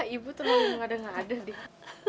ibu tuh mau ngade ngade deh